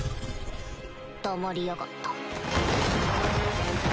黙りやがった